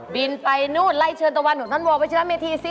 บินไปนู่นไล่เชินตะวันหรือนอนโว้ไปเชิดลับเมธีสิ